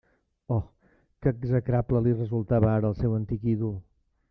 Oh, que execrable li resultava ara el seu antic ídol!